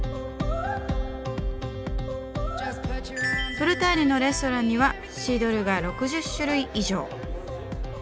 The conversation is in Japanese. ブルターニュのレストランにはシードルが６０種類以上。